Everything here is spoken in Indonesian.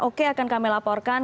oke akan kami laporkan